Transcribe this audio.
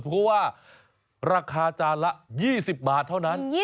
เพราะว่าราคาจานละ๒๐บาทเท่านั้น